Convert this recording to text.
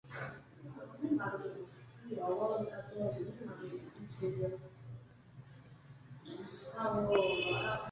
Njon benntùn fa boa nyàm num mbwôg i neshu.